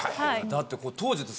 だって当時。